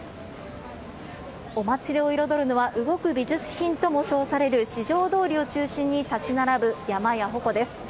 お祭りを彩るのは動く美術品とも称される四条通を中心に立ち並ぶ山や鉾です。